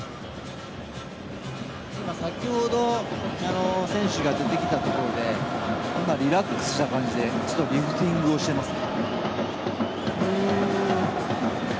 今、先ほど選手が出てきたところで今リラックスした感じでちょっとリフティングをしてますね。